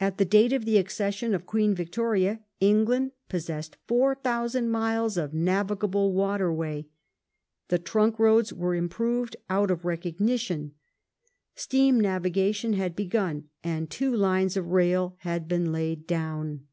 ^ At the date of the accession of Queen Victoria England possessed 4,000 miles of navigable waterway ; the trunk roads were improved out of recognition ; steam navigation had begun, and two lines of rail had been laid down.